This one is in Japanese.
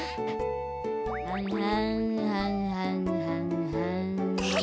はんはんはんはんはんはん。